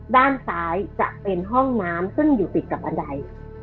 ด้านซ้ายจะเป็นห้องน้ำซึ่งอยู่ติดกับบันได